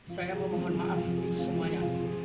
saya memohon maaf untuk semuanya